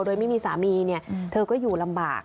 โดยไม่มีสามีเธอก็อยู่ลำบาก